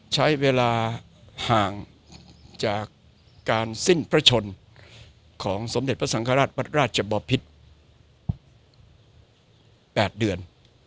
ใช้เวลาห่างจากการสิ้นพระชนของสมเด็จพระสังฆราชวัดราชบอพิษ๘เดือน